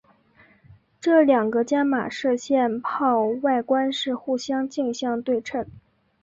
这两个伽玛射线泡外观是互相镜像对称。